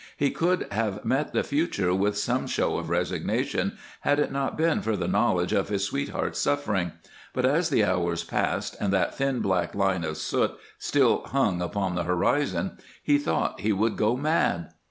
He could have met the future with some show of resignation had it not been for the knowledge of his sweetheart's suffering; but as the hours passed and that thin black line of soot still hung upon the horizon, he thought he would go mad.